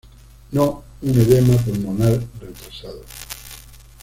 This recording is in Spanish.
No un edema pulmonar retrasado.